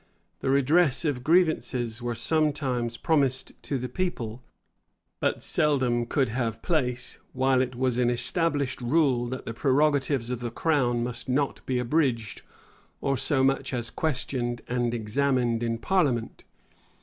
The redress of grievances were sometimes promised to the people; but seldom could have place, while it was an established rule, that the prerogatives of the crown must not be abridged, or so much as questioned and examined in parliament.